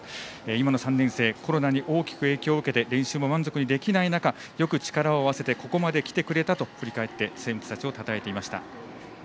今の３年生コロナに大きく影響を受けて練習も満足にできない中よく力を合わせてここまで来てくれたと振り返って選手たちをたたえていました。